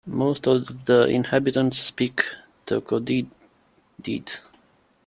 Most of the inhabitants speak Tocodede.